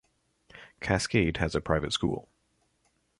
Cascade has a private school.